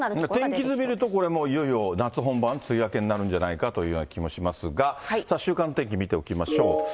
天気図見ると、これもういよいよ夏本番、梅雨明けになるんじゃないかという気もしますが、週間天気見ておきましょう。